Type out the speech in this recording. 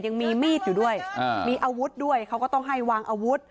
ยังมีมีดอยู่ด้วยมีอาวุธด้วยเขาก็ต้องให้วางอาวุธ